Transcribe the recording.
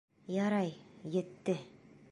Ярай, етте.